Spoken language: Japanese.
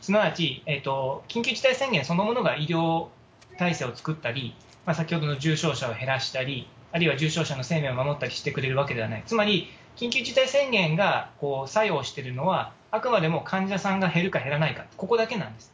すなわち、緊急事態宣言そのものが医療体制を作ったり、先ほどの重症者を減らしたり、あるいは重症者の生命を守ったりしてくれるわけではない、つまり、緊急事態宣言が作用してるのは、あくまでも患者さんが減るか減らないか、ここだけなんです。